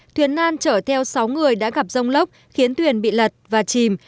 thuyền nan chở theo sáu người đã gặp rông lốc khiến thuyền bị lật và chìm